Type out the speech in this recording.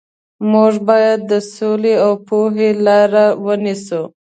موږ باید د سولې او پوهې لارې ونیسو.